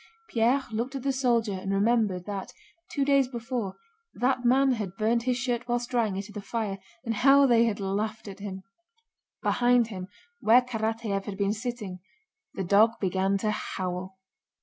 Pierre looked at the soldier and remembered that, two days before, that man had burned his shirt while drying it at the fire and how they had laughed at him. Behind him, where Karatáev had been sitting, the dog began to howl.